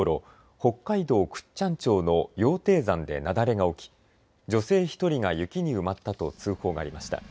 北海道倶知安町の羊蹄山で雪崩が起き女性１人が雪に埋まったと通報がありました。